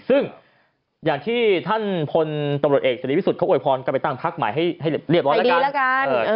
ซึ่งอย่างที่ท่านพลตำรวจเอกเสรีพิสุทธิเขาอวยพรก็ไปตั้งพักใหม่ให้เรียบร้อยแล้วกัน